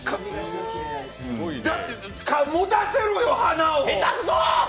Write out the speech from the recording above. だって、持たせろよ、花を。